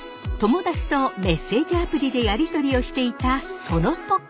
友達とメッセージアプリでやり取りをしていたその時！